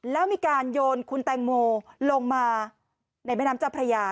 แล้วมีการโยนคุณแตงโมลงมาในแม่น้ำเจ้าพระยา